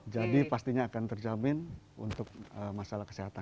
jadi pastinya akan terjamin untuk masalah kesehatan